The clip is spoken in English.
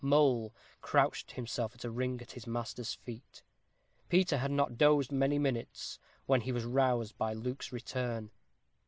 Mole crouched himself in a ring at his master's feet. Peter had not dozed many minutes, when he was aroused by Luke's return.